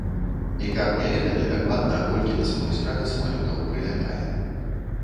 І каб не ведалі дакладна, колькі на самой справе самалётаў прылятае.